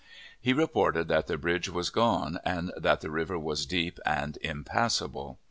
He reported that the bridge was gone, and that the river was deep and impassable.